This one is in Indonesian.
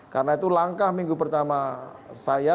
karena itu langkah minggu pertama saya